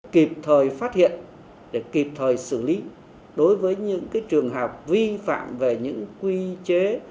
kịp thời phát hiện để kịp thời xử lý đối với những trường hợp vi phạm về những quy chế